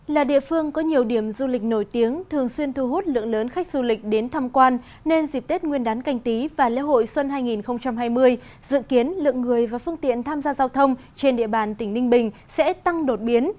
là địa phương có nhiều điểm du lịch nổi tiếng thường xuyên thu hút lượng lớn khách du lịch đến tham quan nên dịp tết nguyên đán canh tí và lễ hội xuân hai nghìn hai mươi dự kiến lượng người và phương tiện tham gia giao thông trên địa bàn tỉnh ninh bình sẽ tăng đột biến